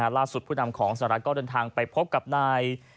ผู้นำของสหรัฐก็เดินทางไปพบกับนาย